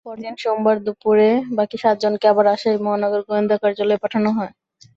পরদিন সোমবার দুপুরে বাকি সাতজনকে আবার রাজশাহী মহানগর গোয়েন্দা কার্যালয়ে পাঠানো হয়।